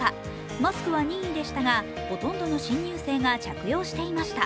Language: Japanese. マスクは任意でしたが、ほとんどの新入生が着用していました。